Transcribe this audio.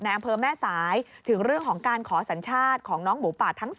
อำเภอแม่สายถึงเรื่องของการขอสัญชาติของน้องหมูป่าทั้ง๒